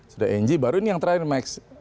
sudah eng baru ini yang terakhir max